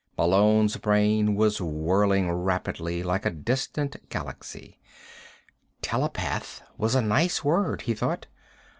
Malone's brain was whirling rapidly, like a distant galaxy. "Telepath" was a nice word, he thought.